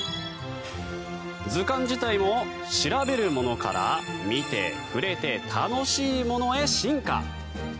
図鑑自体も調べるものから見て、触れて、楽しいものへ進化。